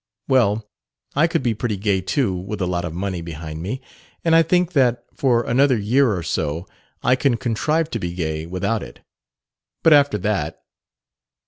Well, I could be pretty gay too with a lot of money behind me; and I think that, for another year or so, I can contrive to be gay without it. But after that....